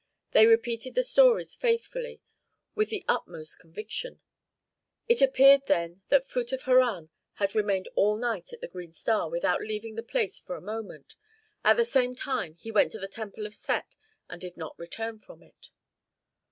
They repeated the stories faithfully, with the utmost conviction. It appeared then that Phut of Harran had remained all night at the "Green Star" without leaving the place for a moment; at the same time he went to the temple of Set, and did not return from it.